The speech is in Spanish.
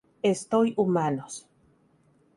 Estoy humanos.